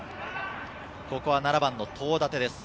ここは７番の東舘です。